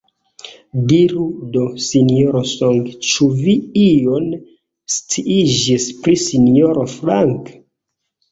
Diru do, Sinjoro Song, ĉu vi ion sciiĝis pri Sinjoro Frank?